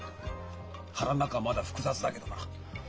腹ん中はまだ複雑だけどな。